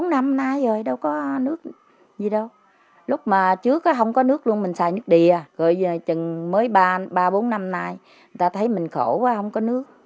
bốn năm nay rồi đâu có nước gì đâu lúc mà trước không có nước luôn mình xài nước đìa rồi chừng mới ba bốn năm nay người ta thấy mình khổ quá không có nước